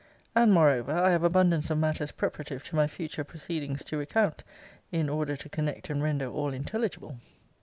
And, moreover, I have abundance of matters preparative to my future proceedings to recount, in order to connect and render all intelligible.